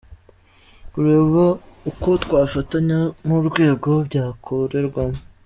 – Kureba ukwo twafatanya n’urwego byakolerwamo